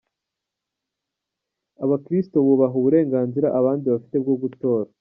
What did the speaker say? Abakristo bubaha uburenganzira abandi bafite bwo gutora.